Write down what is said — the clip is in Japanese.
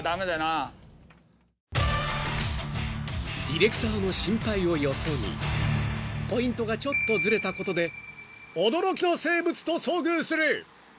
［ディレクターの心配をよそにポイントがちょっとずれたことで驚きの生物と遭遇する！］